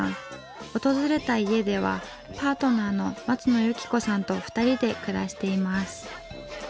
訪れた家ではパートナーの松野由紀子さんと２人で暮らしています。